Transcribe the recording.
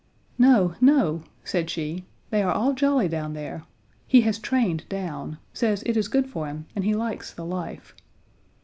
"No, no," said she, "they are all jolly down there. He has trained down; says it is good for him, and he likes the life."